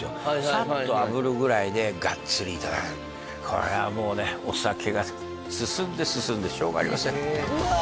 サッとあぶるぐらいでがっつりいただくこれはもうねお酒が進んで進んでしょうがありませんうわ